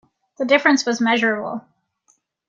The difference was measurable.